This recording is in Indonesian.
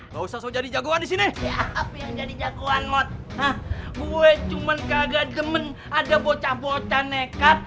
bos jadi jagoan di sini jadi jagoan mod ah gue cuman kagak gement ada bocah bocah nekat